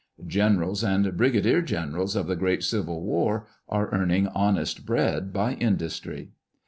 Generals and brigadier generals of the great civil war are earning honest bread by industry.